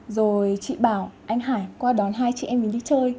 rồi chị bảo anh hải qua đón hai chị em mình đi chơi